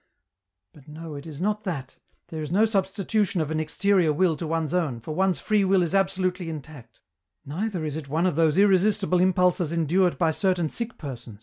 " But no it i? not that, there is no substitution of an exterior will to one'f own, for one's free will is absolutely intact ; neithei is it one ol those irresistible impulses en dured by certair sick person?